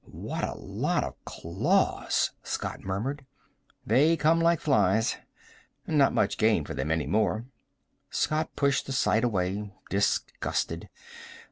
"What a lot of claws," Scott murmured. "They come like flies. Not much game for them any more." Scott pushed the sight away, disgusted.